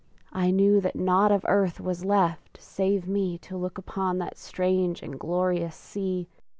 I knew that naught of earth was left save me To look upon that strange and glorious sea!